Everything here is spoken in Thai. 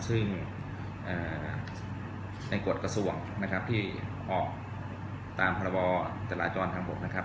ซึ่งในกฎกระทรวงที่ออกตามภาระบจราจรทาง๖นะครับ